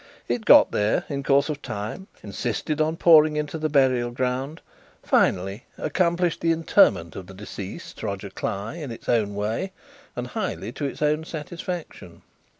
It got there in course of time; insisted on pouring into the burial ground; finally, accomplished the interment of the deceased Roger Cly in its own way, and highly to its own satisfaction.